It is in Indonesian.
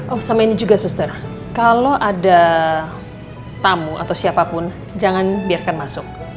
oh sama ini juga suster kalau ada tamu atau siapapun jangan biarkan masuk